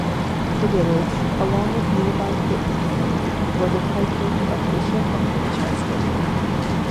The village, along with nearby Pitminster was a tithing of Bishop of Winchester.